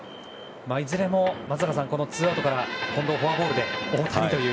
いずれも松坂さんツーアウトから近藤、フォアボールで大谷という。